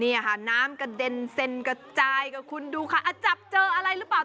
นี่อาหารน้ำกระเด็นเซนกระจายกับคุณดูค่ะอ่าจับเจออะไรรึเปล่า